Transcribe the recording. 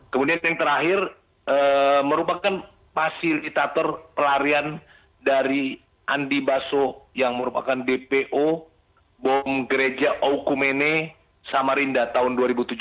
kemudian yang terakhir merupakan fasilitator pelarian dari andi baso yang merupakan dpo bom gereja okumene samarinda tahun dua ribu tujuh belas